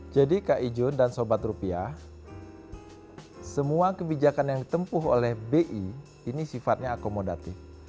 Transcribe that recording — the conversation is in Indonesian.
jadi kak ijo dan sobat rupiah semua kebijakan yang ditempuh oleh bi ini sifatnya akomodatif